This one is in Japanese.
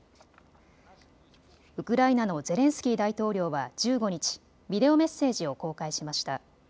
ウクライナのゼレンスキー大統領は１５日、ビデオメッセージを公開しました。